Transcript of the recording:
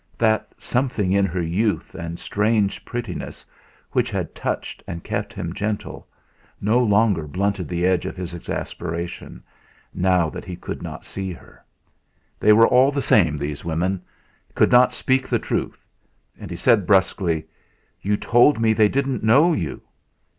That something in her youth and strange prettiness which had touched and kept him gentle, no longer blunted the edge of his exasperation, now that he could not see her. They were all the same, these women; could not speak the truth! And he said brusquely: "You told me they didn't know you!"